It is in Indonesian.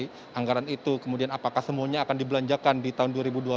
dari anggaran itu kemudian apakah semuanya akan dibelanjakan di tahun dua ribu dua puluh